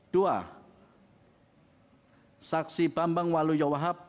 dua saksi bambang walu yowahab